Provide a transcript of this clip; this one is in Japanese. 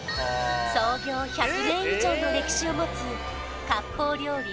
創業１００年以上の歴史を持つ割烹料理